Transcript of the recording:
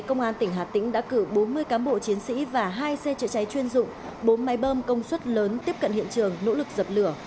công an tỉnh hà tĩnh đã cử bốn mươi cán bộ chiến sĩ và hai xe chữa cháy chuyên dụng bốn máy bơm công suất lớn tiếp cận hiện trường nỗ lực dập lửa